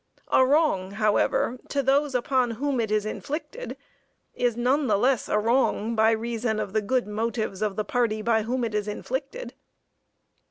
A wrong, however, to those upon whom it is inflicted, is none the less a wrong by reason of the good motives of the party by whom it is inflicted.